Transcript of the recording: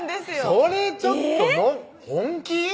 それちょっと本気？